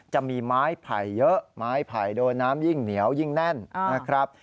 จะมีไม้ไผ่เยอะไม้ไผ่โดนน้ำยิ่งเหนียวยิ่งแน่นนะครับ